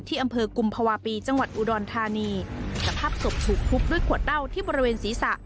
อำเภอกุมภาวะปีจังหวัดอุดรธานีสภาพศพถูกทุบด้วยขวดเหล้าที่บริเวณศีรษะ